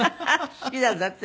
好きなんだって？